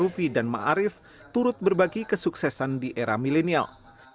tarif turut berbagi kesuksesan di era milenial